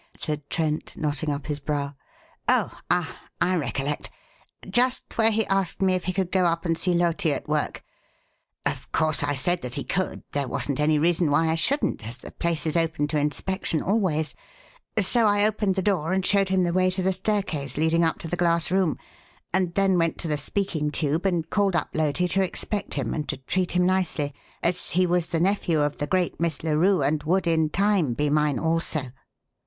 said Trent, knotting up his brow. "Oh, ah! I recollect just where he asked me if he could go up and see Loti at work. Of course, I said that he could; there wasn't any reason why I shouldn't, as the place is open to inspection always, so I opened the door and showed him the way to the staircase leading up to the glass room, and then went to the speaking tube and called up to Loti to expect him, and to treat him nicely, as he was the nephew of the great Miss Larue and would, in time, be mine also."